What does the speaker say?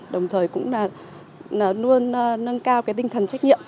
đồng thời cũng là luôn nâng cao cái tinh thần trách nhiệm